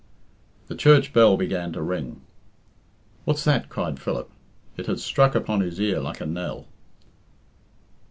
The church bell began to ring. "What's that?" cried Philip. It had struck upon his ear like a knell.